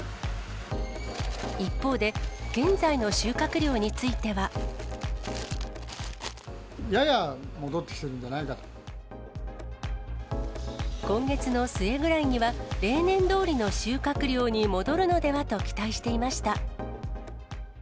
一方で、現在の収穫量については。やや戻ってきてるんじゃない今月の末ぐらいには、例年どおりの収穫量に戻るのではと期待していました。